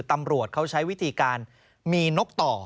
ตำรวจเขาใช้วิธีการมีนกต่อ